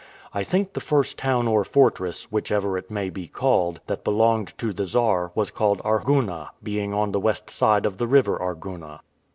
I think the first town or fortress, whichever it may he called, that belonged to the Czar, was called Arguna, being on the west side of the river Arguna.